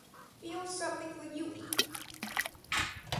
Feels something for Yui.